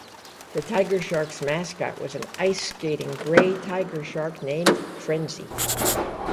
The Tiger Sharks' mascot was an ice-skating gray tiger shark named Frenzy.